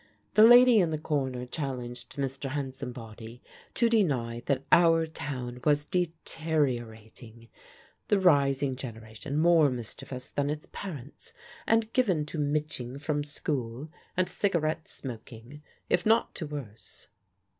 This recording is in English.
The lady in the corner challenged Mr. Hansombody to deny that our town was deteriorating the rising generation more mischievous than its parents, and given to mitching from school, and cigarette smoking, if not to worse.